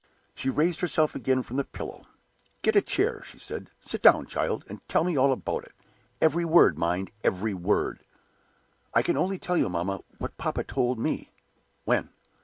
She raised herself again from the pillow. "Get a chair," she said. "Sit down, child, and tell me all about it. Every word, mind every word!" "I can only tell you, mamma, what papa told me." "When?"